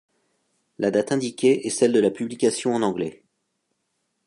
La date indiquée est celle de publication en anglais.